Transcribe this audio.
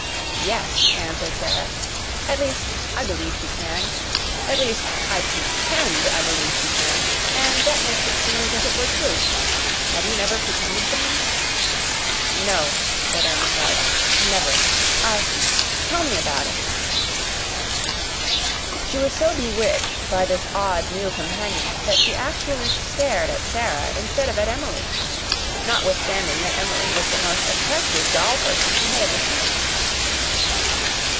"Yes," answered Sara. "At least I believe she can. At least I PRETEND I believe she can. And that makes it seem as if it were true. Have you never pretended things?" "No," said Ermengarde. "Never. I tell me about it." She was so bewitched by this odd, new companion that she actually stared at Sara instead of at Emily notwithstanding that Emily was the most attractive doll person she had ever seen.